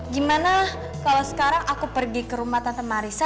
gimana kalau sekarang aku pergi ke rumah tante marisa